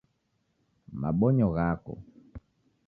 Mabonyo ghako